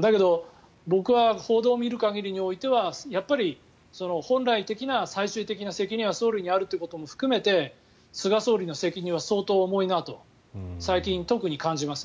だけど、僕は報道を見る限りにおいてはやっぱり本来的な最終的な責任は総理にあるということも含めて菅総理の責任は相当重いなと最近、特に感じますね。